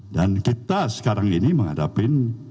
dan kita sekarang ini menghadapi